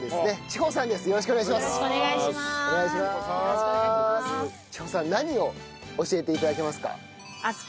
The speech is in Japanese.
千穂さん何を教えて頂けますか？